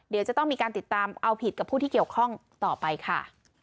เดี๋ยวจะต้องมีการติดตามเอาผิดกับผู้ที่เกี่ยวข้องต่อไปค่ะ